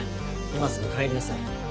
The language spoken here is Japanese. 今すぐ帰りなさい。